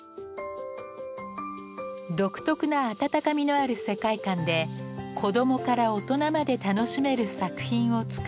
独特な温かみのある世界観で子供から大人まで楽しめる作品を作っています。